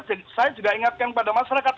saya juga ingatkan pada masyarakat